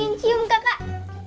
pengen cium kakak